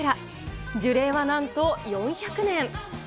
樹齢はなんと４００年。